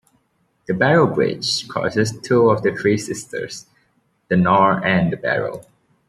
The Barrow Bridge crosses two of the Three Sisters, the Nore and the Barrow.